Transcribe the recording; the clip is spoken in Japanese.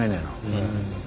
うん。